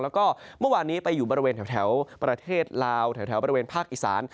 แล้วก็เมื่อวานนี้ไปอยู่บริเวณแถวประเทศลาวแถวบริเวณภาคอีสาน